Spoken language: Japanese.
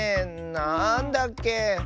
なんだっけ？